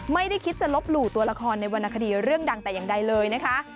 ไม่ได้คิดจะลบหลู่ตัวละครในวรรณคดีเรื่องดังแต่อย่างใดเลยนะคะ